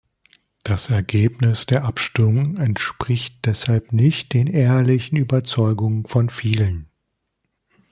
Das Ergebnis der Abstimmungen entspricht deshalb nicht den ehrlichen Überzeugungen von vielen.